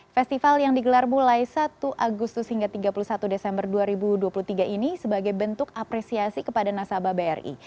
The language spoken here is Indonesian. festival yang digelar mulai satu agustus hingga tiga puluh satu desember dua ribu dua puluh tiga ini sebagai bentuk apresiasi kepada nasabah bri